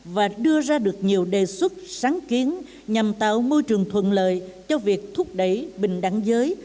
và đưa ra được nhiều đề xuất sáng kiến nhằm tạo môi trường thuận lợi cho việc thúc đẩy bình đẳng giới